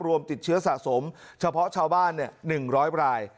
รวมติดเชื้อสะสมเฉพาะชาวบ้านเนี่ยหนึ่งร้อยราย